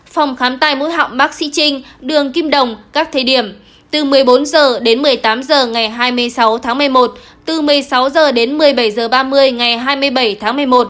phòng khám tai mũi họng bác sĩ trinh đường kim đồng các thời điểm từ một mươi bốn h đến một mươi tám h ngày hai mươi sáu tháng một mươi một từ một mươi sáu h đến một mươi bảy h ba mươi ngày hai mươi bảy tháng một mươi một